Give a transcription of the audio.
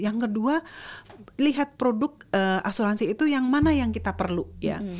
yang kedua lihat produk asuransi itu yang mana yang kita perlu ya